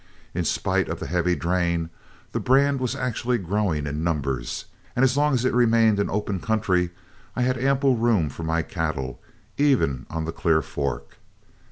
In spite of the heavy drain, the brand was actually growing in numbers, and as long as it remained an open country I had ample room for my cattle even on the Clear Fork.